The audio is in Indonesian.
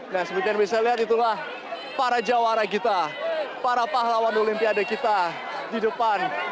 nah seperti yang bisa lihat itulah para jawara kita para pahlawan olimpiade kita di depan